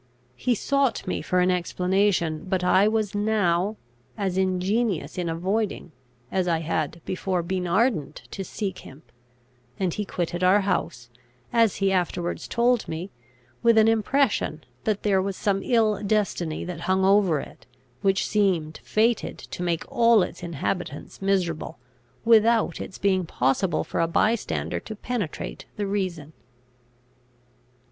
He sought me for an explanation, but I was now as ingenious in avoiding as I had before been ardent to seek him; and he quitted our house, as he afterwards told me, with an impression, that there was some ill destiny that hung over it, which seemed fated to make all its inhabitants miserable, without its being possible for a bystander to penetrate the reason.